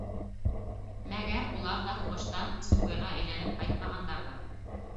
Мәгәр улар ҙа һуғыштан суфыйға әйләнеп ҡайтмағандарҙыр.